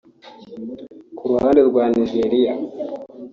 Ku ruhande rwa Nigeria